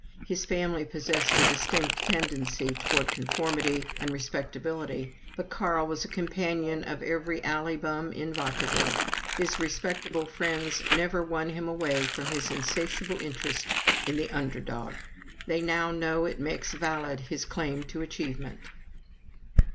His family possessed a distinct tendency toward conformity and respectability, but Carl was a companion of every 'alley bum' in Vacaville. His respectable friends never won him away from his insatiable interest in the under dog. They now know it makes valid his claim to achievement."